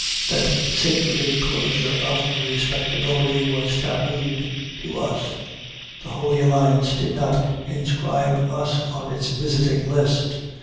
That sacred inclosure of respectability was tabooed to us. The Holy Alliance did not inscribe us on its visiting list.